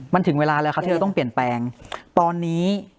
มันถึงเวลาแล้วครับที่เราต้องเปลี่ยนแปลงตอนนี้